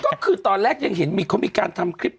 ก็คือตอนแรกยังเห็นเขามีการทำคลิป